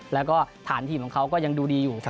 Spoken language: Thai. และก็ถานทีมเขาก็ยังดูดีอยู่